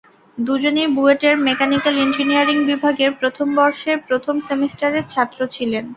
দুজনই বুয়েটের mechanical engineering বিভাগের প্রথম বর্ষের প্রথম সেমিস্টারের ছাত্র ছিলেন।